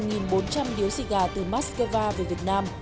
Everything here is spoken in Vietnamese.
một bốn trăm linh điếu xì gà từ moscow về việt nam